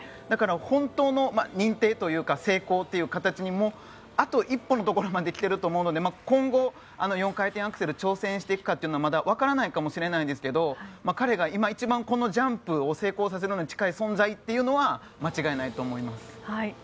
だから本当の認定というか成功という形にもあと一歩のところまで来ていると思うので今後、４回転アクセルに挑戦していくかは分からないかもしれないですが彼が今一番このジャンプを成功させるのに近い存在というのは間違いないと思います。